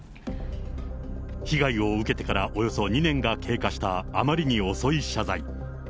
被害を受けてからおよそ２年が経過した、あまりに遅い謝罪。